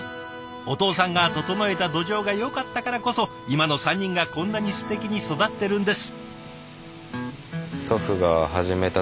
お父さんが整えた土壌がよかったからこそ今の３人がこんなにすてきに育ってるんです。